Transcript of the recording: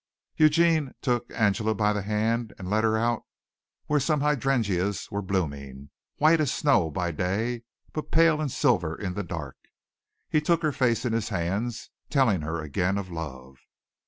Eugene took Angela by the hand and led her out where some hydrangeas were blooming, white as snow by day, but pale and silvery in the dark. He took her face in his hands, telling her again of love.